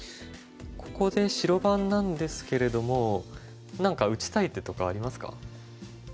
ここで白番なんですけれども何か打ちたい手とかありますか？